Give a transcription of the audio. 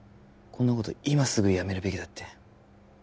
こんなこと今すぐやめるべきだって